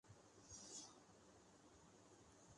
جو شہد مری بروری میں تیار ہوتا ہے۔